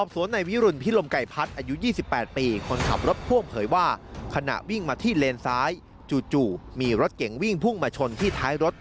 เตรียนซ้ายจู่มีรถเก๋งวิ่งพุ่งมาชนที่ท้ายรถ